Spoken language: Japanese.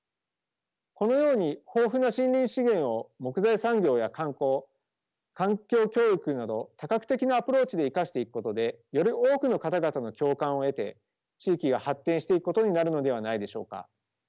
このように豊富な森林資源を木材産業や観光環境教育など多角的なアプローチで生かしていくことでより多くの方々の共感を得て地域が発展していくことになるのではないでしょうか。